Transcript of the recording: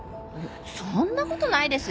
そんな事ないですよ。